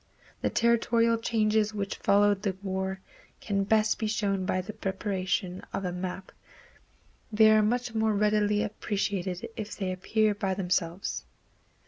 The territorial changes which followed the war can best be shown by the preparation of a map. They are much more readily appreciated if they appear by themselves.